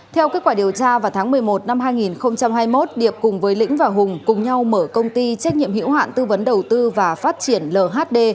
theo kết quả điều tra vào tháng một mươi một năm hai nghìn hai mươi một điệp cùng với lĩnh và hùng cùng nhau mở công ty trách nhiệm hiểu hạn tư vấn đầu tư và phát triển lhd